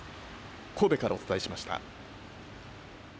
神戸からお伝えしました。